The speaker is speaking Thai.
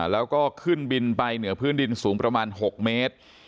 แล้วก็ขึ้นบินไปเหนือพื้นดินสูงประมาณ๖เมตร